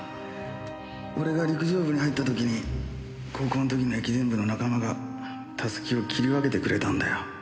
俺が陸上部に入った時に高校の時の駅伝部の仲間がたすきを切り分けてくれたんだよ。